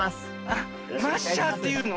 あっマッシャーというの？